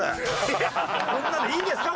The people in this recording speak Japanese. こんなんでいいんですか？